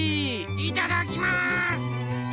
いただきます！